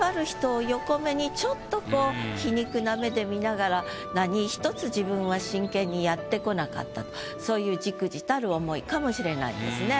ちょっとこう皮肉な目で見ながら「何１つ自分は真剣にやってこなかった」とそういう忸怩たる思いかもしれないですね。